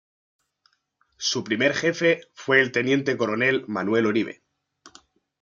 Su primer jefe fue el teniente coronel Manuel Oribe.